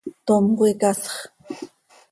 ¡Tom coi casx!